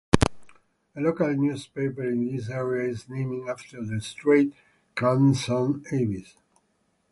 A local newspaper in this area is named after the strait: "Karmsund Avis".